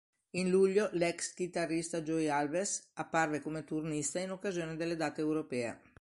In luglio l'ex chitarrista Joey Alves apparve come turnista in occasione delle date europee.